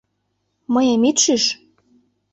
Мыйым ит шӱш!